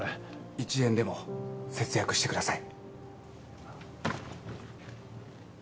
１円でも節約してください。